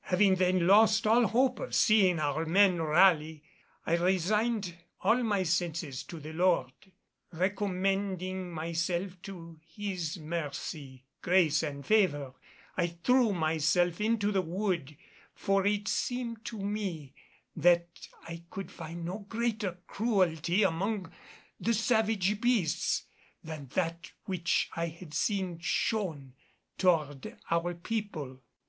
Having then lost all hope of seeing our men rally, I resigned all my senses to the Lord. Recommending myself to His mercy, grace and favor, I threw myself into the wood, for it seemed to me that I could find no greater cruelty among the savage beasts than that which I had seen shown toward our people....